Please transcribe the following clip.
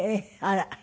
あら。